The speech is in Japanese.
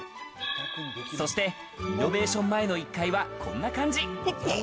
そして、リノベーション前の１階はこんな感じ。